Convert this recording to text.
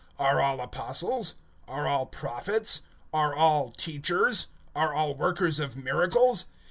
(29)Are all apostles? Are all prophets? Are all teachers? Are all workers of miracles?